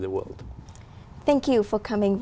hoặc đi đến nhà hàng